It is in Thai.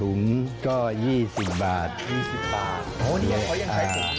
โอ้นี่ก๋ยังเคยใช้ถุงเลยนะฮะ